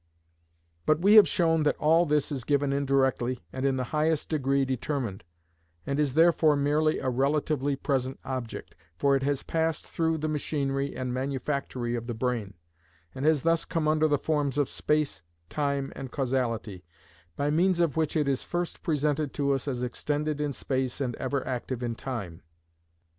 But we have shown that all this is given indirectly and in the highest degree determined, and is therefore merely a relatively present object, for it has passed through the machinery and manufactory of the brain, and has thus come under the forms of space, time and causality, by means of which it is first presented to us as extended in space and ever active in time.